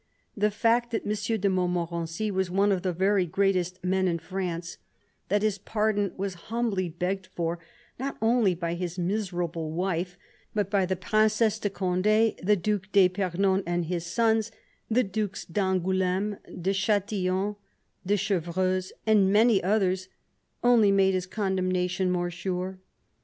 The fact that M. de Montmorency was one of the very greatest men in France, that his pardon was humbly begged for not only by his miserable wife, but by the Princesse de Conde, the Due d'Epernon and his sons, the Dues d'Angouleme, de Chatillon, de Chevreuse, and many others, only made his condemnation more sure.